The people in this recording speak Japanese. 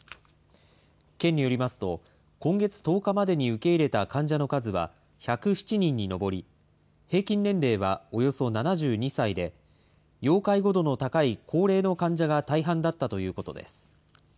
県によりますと、今月１０日までに受け入れた患者の数は１０７人に上り、平均年齢はおよそ７２歳で、要介護度の高い高齢の患者が大半だったということです。